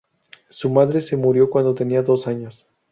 Su madre se murió cuando tenía dos años.